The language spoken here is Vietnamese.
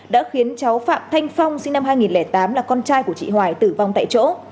đã khiến cháu phạm thanh phong sinh năm hai nghìn tám là con trai của chị hoài tử vong tại chỗ